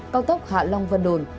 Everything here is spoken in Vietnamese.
cao tốc hạ long vân đồn